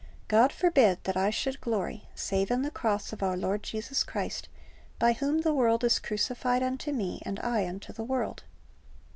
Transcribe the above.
"God forbid that I should glory, save in the cross of our Lord Jesus Christ, by whom the world is crucified unto me, and I unto the world.